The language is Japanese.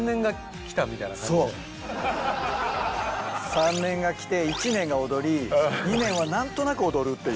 ３年が来て１年が踊り２年は何となく踊るっていう。